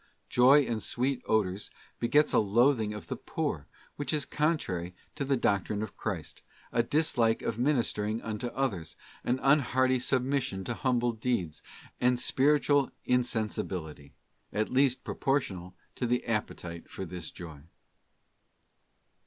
Joy in sweet odours begets a loathing of the poor which is contrary to the doctrine of Christ, a dislike of ministering. unto others, an unhearty submission to humble deeds, and spiritual insensibility, at least proportional to the appetite for this joy.